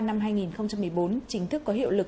năm hai nghìn một mươi bốn chính thức có hiệu lực